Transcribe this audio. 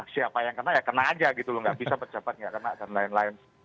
siapa yang kena ya kena aja gitu loh nggak bisa pejabat nggak kena dan lain lain